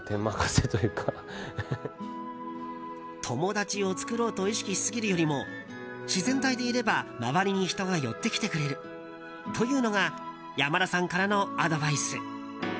友達を作ろうと意識しすぎるよりも自然体でいれば、周りに人が寄ってきてくれるというのが山田さんからのアドバイス。